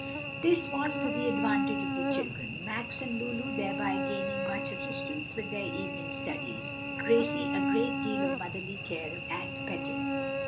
This was to the advantage of the children, Max and Lulu thereby gaining much assistance with their evening studies, Gracie a great deal of motherly care and petting.